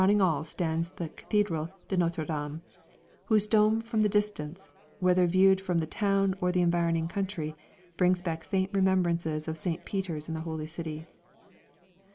Crowning all stands the Cathédrale de Notre Dame, whose dome from the distance, whether viewed from the town or the environing country, brings back faint remembrances of St. Peter's in the Holy City.